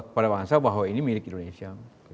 kepada bangsa bahwa ini milik indonesia